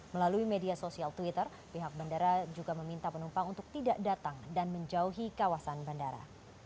melalui media sosial twitter pihak bandara juga meminta penumpang untuk tidak datang dan menjauhi kawasan bandara